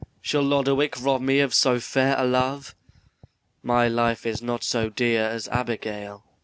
Shall Lodowick rob me of so fair a love? My life is not so dear as Abigail. BARABAS.